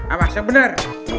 amas yang bener